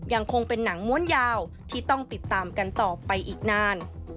ยังคงเป็นหนังม้วนยาวที่ต้องติดตามกันต่อไปอีกนาน